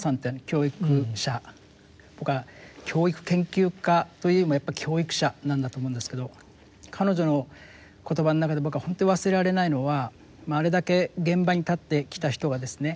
教育者僕は教育研究家というよりもやっぱり教育者なんだと思うんですけど彼女の言葉の中で僕は本当に忘れられないのはあれだけ現場に立ってきた人がですね